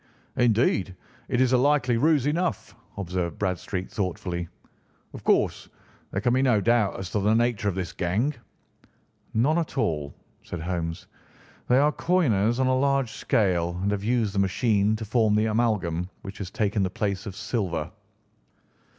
"Indeed, it is a likely ruse enough," observed Bradstreet thoughtfully. "Of course there can be no doubt as to the nature of this gang." "None at all," said Holmes. "They are coiners on a large scale, and have used the machine to form the amalgam which has taken the place of silver."